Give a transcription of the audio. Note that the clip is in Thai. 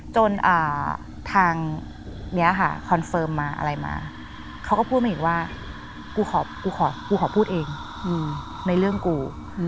จนทางนี้ค่ะคอนเฟิร์มมาอะไรมาเขาก็พูดมาอีกว่ากูขอกูขอพูดเองในเรื่องกู